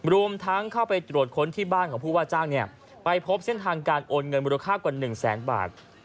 รวมทั้งเข้าไปตรวจค้นที่บ้านของผู้ว่าจ้างไปพบเส้นทางการโอนเงินมูลค่ากว่า๑แสนบาท